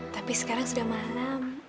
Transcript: tapi sekarang sudah malam